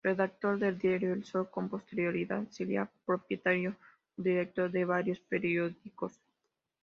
Redactor del diario "El Sol", con posterioridad sería propietario o director de varios periódicos.